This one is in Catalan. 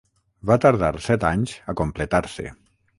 Va tardar set anys a completar-se.